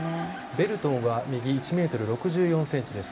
ベルトンは右１ｍ６４ｃｍです。